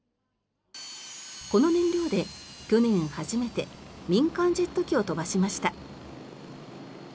この燃料で去年初めて民間ジェット機を飛ばしました。